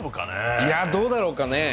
いやどうだろうかねえ。